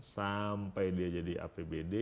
sampai dia jadi apbd